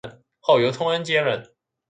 后由通恩接任。